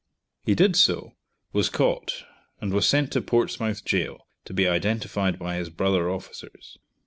He did so, was caught, and was sent to Portsmouth gaol to be identified by his brother officers.